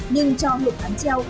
nên cho hợp án treo